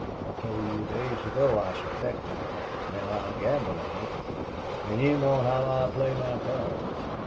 I told you days ago I suspected that. Now I'll gamble on it. And you know how I play my cards."